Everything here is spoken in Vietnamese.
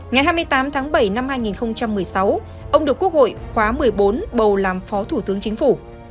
ngày hai mươi tám tháng bảy năm hai nghìn một mươi sáu ông được quốc hội khóa một mươi bốn bầu làm phó thủ tướng chính phủ